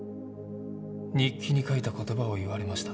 日記に書いた言葉を言われました。